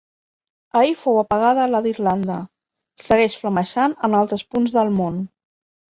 Ahir fou apagada la d'Irlanda. Segueix flamejant en altres punts del món.